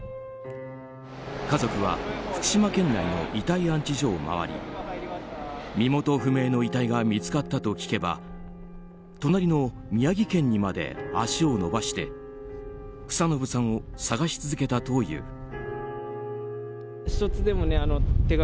家族は福島県内の遺体安置所を回り身元不明の遺体が見つかったと聞けば隣の宮城県にまで足を延ばして房信さんを探し続けたという。